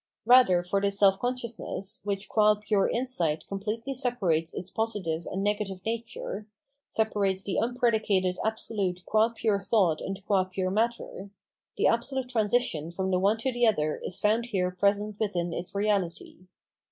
Rather for this self consciousness, which qm pure insight completely separates its positive and negative nature — separates the unpredicated Absolute qua pure thought and qua pure matter — the absolute transition from the one to the other is found here present within Ahsolvie Freedom and Terror 601 its reality.